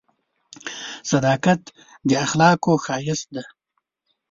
• صداقت د اخلاقو ښایست دی.